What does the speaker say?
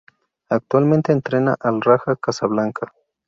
Actualmente entrena al Raja Casablanca.